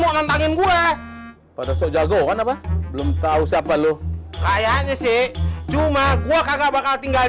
mau nantangin gua pada sejagoan apa belum tahu siapa lu kayaknya sih cuma gua kagak bakal tinggal